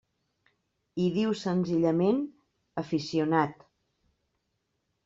Hi diu senzillament: aficionat.